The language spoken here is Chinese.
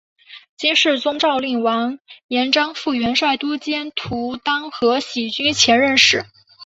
金世宗诏令完颜璋赴元帅都监徒单合喜军前任使。